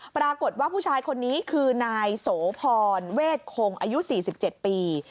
ปรากฏว่าผู้ชายคนนี้คือนายโสพรเวทคงอายุ๔๗ปี